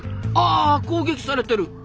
あ攻撃されてる！